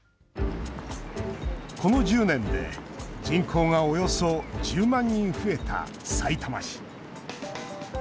この１０年で人口がおよそ１０万人増えたさいたま市。